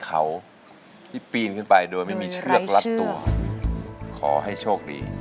เขาที่ปีนขึ้นไปโดยไม่มีเชือกรัดตัวขอให้โชคดี